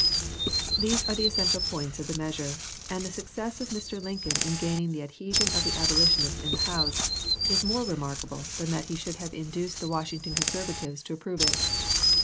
These are the essential points of the measure and the success of Mr. Lincoln in gaining the adhesion of the abolitionists in the House is more remarkable than that he should have induced the Washington Conservatives to approve it.